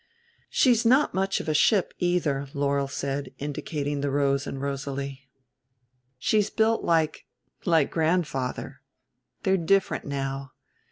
"She's not much of a ship either," Laurel said, indicating the Rose and Rosalie. "She's built like like grandfather. They're different now.